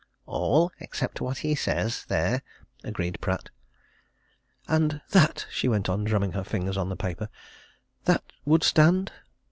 "All except what he says there," agreed Pratt. "And that," she went on, drumming her fingers on the paper, "that would stand?"